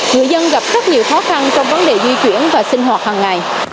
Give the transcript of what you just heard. người dân gặp rất nhiều khó khăn trong vấn đề di chuyển và sinh hoạt hàng ngày